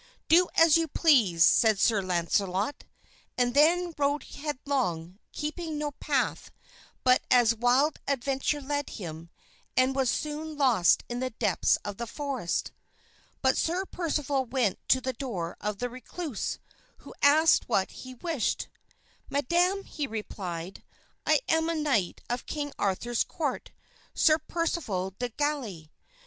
"Do as you please," said Sir Launcelot; and then rode headlong, keeping no path, but as wild adventure led him, and was soon lost in the depths of the forest. But Sir Percival went to the door of the recluse, who asked what he wished. "Madam," he replied, "I am a knight of King Arthur's court, Sir Percival de Galis.